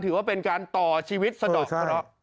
ถือว่าเป็นการต่อชีวิตสะดอกพระเจ้า